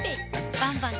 バンバン！